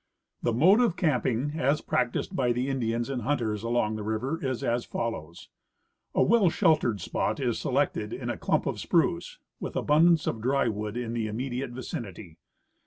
The mode of camping CaifYip Life amid Arctic Snoius. 195 as practiced by the Indians and hunters along the river is as follows : A well sheltered spot is selected in a clump of spruce, with abundance of dry wood in the immediate vicinity.